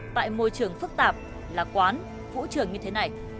tại môi trường phức tạp là quán vũ trường như thế này